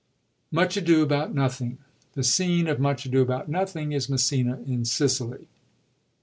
Much Ado About Nothing. — The scene of MtLch Ado About Nothing is Messina, in Sicily.